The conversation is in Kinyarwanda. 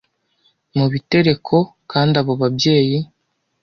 mubitereko kandi abo babyeyi